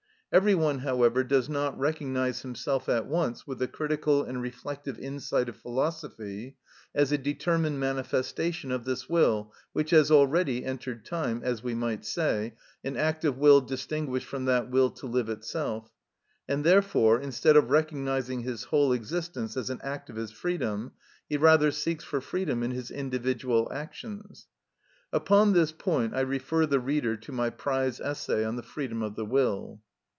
Every one, however, does not recognise himself at once with the critical and reflective insight of philosophy as a determined manifestation of this will which has already entered time, as we might say, an act of will distinguished from that will to live itself; and, therefore, instead of recognising his whole existence as an act of his freedom, he rather seeks for freedom in his individual actions. Upon this point I refer the reader to my prize essay on the freedom of the will.